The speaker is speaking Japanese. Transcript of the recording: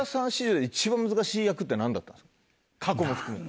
過去も含めて。